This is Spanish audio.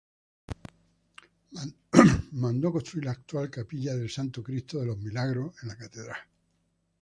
Mandó construir la actual capilla del Santo Cristo de los Milagros en la Catedral.